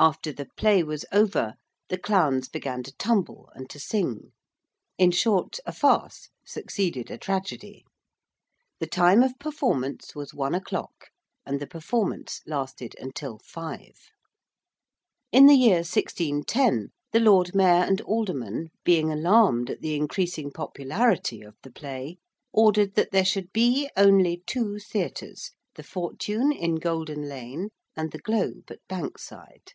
After the Play was over the clowns began to tumble and to sing. In short, a farce succeeded a tragedy. The time of performance was one o'clock, and the performance lasted until five. In the year 1610 the Lord Mayor and Aldermen being alarmed at the increasing popularity of the Play, ordered that there should be only two theatres, the Fortune in Golden Lane and the Globe at Bankside.